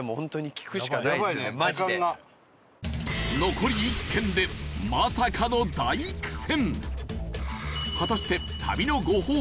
残り１軒でまさかの大苦戦！